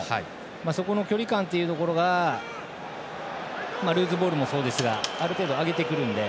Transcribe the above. そこの距離感というところがルーズボールもそうですがある程度、上げてくるので。